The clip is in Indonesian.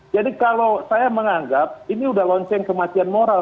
jadi kalau saya menganggap ini sudah lonceng kematian moral